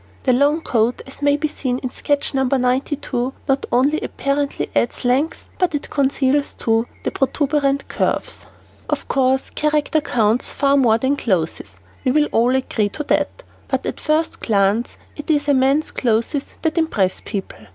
The long coat, as may be seen in sketch No. 92, not only apparently adds length but it conceals too protuberant curves. [Illustration: NOS. 91 and 92] Of course, character counts far more than clothes, we will all agree to that, but at first glance it is a man's clothes that impress people.